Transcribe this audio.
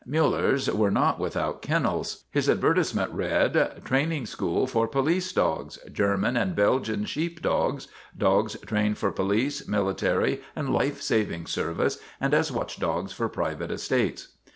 Miiller's were not ordinary kennels. His adver tisement read : Training school for police dogs. German and Belgian sheep dogs. Dogs trained for police, military, and life saving service, and as watchdogs for private estates."